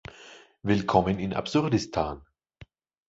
Willkommen in Absurdistan!